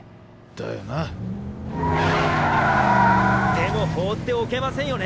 でも放っておけませんよね！